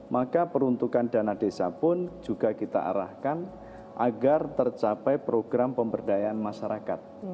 maka peruntukan dana desa pun juga kita arahkan agar tercapai program pemberdayaan masyarakat